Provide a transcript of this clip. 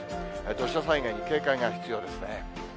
土砂災害に警戒が必要ですね。